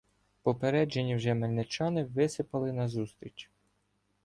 Попереджені вже мельничани висипали назустріч.